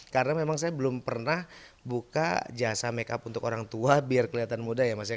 karena memang saya belum pernah buka jasa makeup untuk orang tua biar kelihatan muda ya masih